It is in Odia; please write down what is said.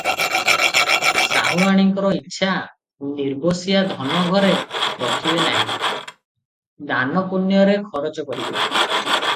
ସାହୁଆଣୀଙ୍କର ଇଚ୍ଛା, ନିର୍ବଂଶିଆ ଧନ ଘରେ ରଖିବେ ନାହିଁ, ଦାନପୁଣ୍ୟରେ ଖରଚ କରିବେ ।